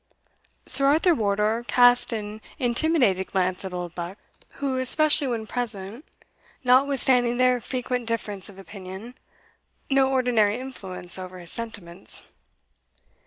Sir Arthur Wardour cast an intimidated glance at Oldbuck who, especially when present, held, notwithstanding their frequent difference of opinion, no ordinary influence over his sentiments.